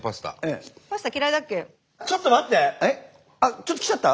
ちょっときちゃった？